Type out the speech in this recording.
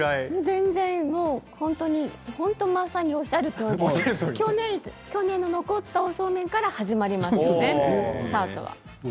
全然本当にまさにおっしゃるとおり、去年の残ったおそうめんから始まりますよねスタートは。